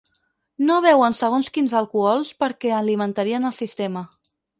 No beuen segons quins alcohols perquè alimentarien el sistema.